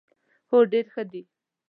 هو، ډیر ښه دي